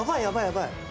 やばい！